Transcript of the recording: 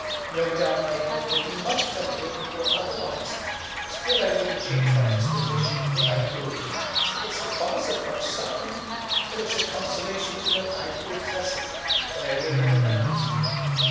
No doubt my health would be much better if it was otherwise, still I wouldn't change my disposition if I could. It's the cause of much suffering, but it's a consolation to know I posses it, when I wake up in the night."